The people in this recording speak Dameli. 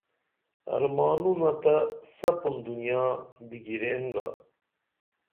ارمانونہ تہ سپُن دنیا بِگیرین گا